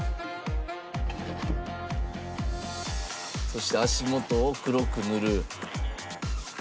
そして足元を黒く塗る。